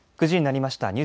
９時になりました。